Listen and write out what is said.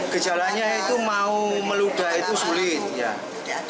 kejalannya itu mau meludah itu sulit